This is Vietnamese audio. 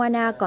còn phát triển